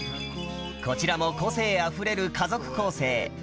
こちらも個性あふれる家族構成